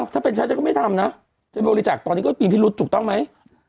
ถ้าเป็นฉันฉันก็ไม่ทำนะฉันบริจาคตอนนี้ก็มีพิรุษถูกต้องไหม